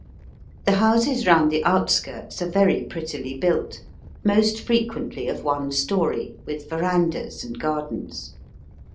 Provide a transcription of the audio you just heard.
The houses round the outskirts are very prettily built — most frequently of one story, with verandahs and gardens.